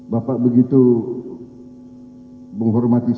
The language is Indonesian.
bapak begitu menghormati saya